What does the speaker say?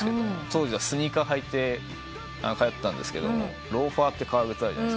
当時はスニーカー履いて通ってたんですけどローファーって革靴あるじゃないですか。